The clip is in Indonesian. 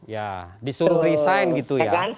ya disuruh resign gitu ya